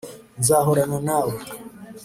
nzahorana na we